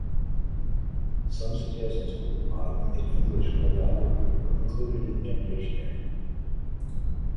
Some suggestions for remodeling the English orthography were included in their dictionary.